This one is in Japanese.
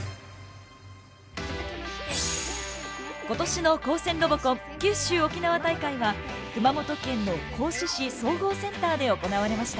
今年の高専ロボコン九州沖縄大会は熊本県の合志市総合センターで行われました。